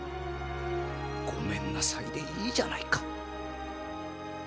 ごめんなさいでいいじゃないか。